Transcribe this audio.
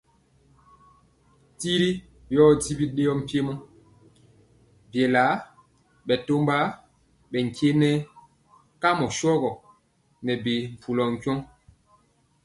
Tiri yɔ di bidɛɛɔ mpiemo biela bɛtɔmba bɛ tyenɛ kamɔ shɔgɔ nɛ bi mpulɔ tyɔŋ.